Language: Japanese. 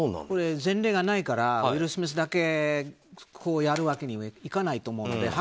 これ、前例がないからウィル・スミスだけこうやるわけにはいかないと思うので。